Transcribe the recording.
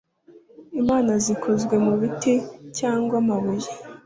imana zikozwe mu biti cyangwa amabuye